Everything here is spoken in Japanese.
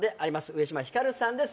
上島光さんです